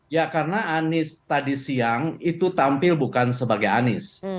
ya karena anies tadi siang itu tampil bukan sebagai anies